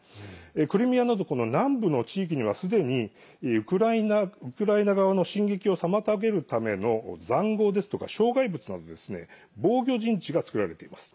クリミアなど南部の地域にはすでにウクライナ側の進撃を妨げるためのざんごうですとか障害物などの防御陣地が作られています。